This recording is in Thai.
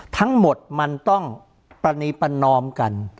ทั้งหมดมันต้องปรณีประนอมกัน